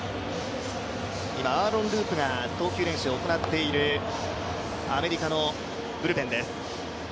今、アーロン・ループが投球練習を行っているアメリカのブルペンです。